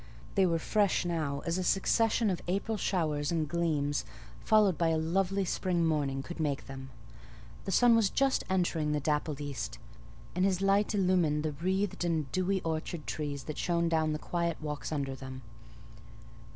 They were fresh now as a succession of April showers and gleams, followed by a lovely spring morning, could make them: the sun was just entering the dappled east, and his light illumined the wreathed and dewy orchard trees and shone down the quiet walks under them.